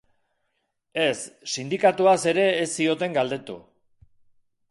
Ez, sindikatuaz ere ez zioten galdetu.